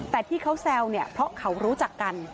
แต่ที่เขาแซวเนี่ยเพราะเขารู้จักกัน